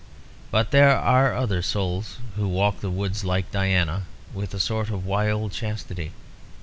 But there are other souls who walk the woods like Diana, with a sort of wild chastity.